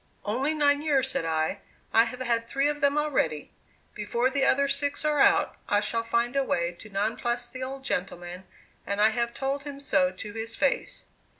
"Only nine years," said I. "I have had three of them already. Before the other six are out, I shall find a way to nonplus the old gentleman, and I have told him so to his face."